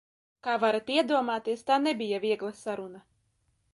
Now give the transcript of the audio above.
Kā varat iedomāties, tā nebija viegla saruna.